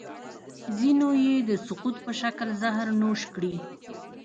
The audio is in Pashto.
ځینو یې د سقراط په شکل زهر نوش کړي.